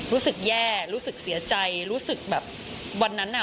รู้สึกแย่รู้สึกเสียใจรู้สึกแบบวันนั้นน่ะ